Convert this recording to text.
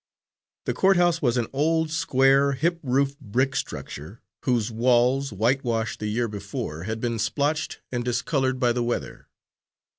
The court house was an old, square, hip roofed brick structure, whose walls, whitewashed the year before, had been splotched and discoloured by the weather.